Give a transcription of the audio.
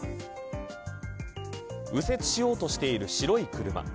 右折しようとしている白い車。